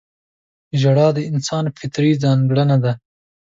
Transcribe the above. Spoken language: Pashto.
• ژړا د انسان فطري ځانګړنه ده.